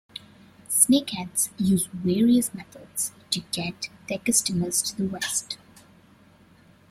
Snakeheads use various methods to get their customers to the West.